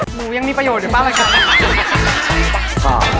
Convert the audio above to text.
หมูยังมีประโยชน์นี้ปะแหละครับ